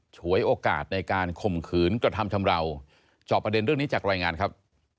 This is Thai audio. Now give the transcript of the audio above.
ฉวยโอกาสในการข่มขืนกระทำชำราวจอบประเด็นเรื่องนี้จากรายงานครับ